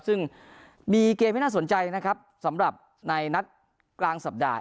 ซึ่งมีเกมที่น่าสนใจนะครับสำหรับในนัดกลางสัปดาห์